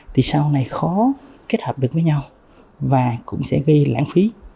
thì sau này khó kết hợp được với nhau và cũng sẽ gây lãng phí